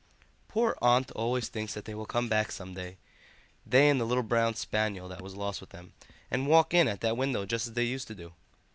"Poor aunt always thinks that they will come back some day, they and the little brown spaniel that was lost with them, and walk in at that window just as they used to do.